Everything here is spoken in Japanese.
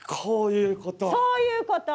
こういうこと。